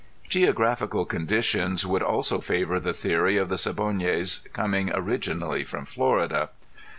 Geographical conditions would also favor the theory of the Siboneyes coming originally from Florida.